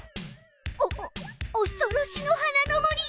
おおそろしの花の森よ！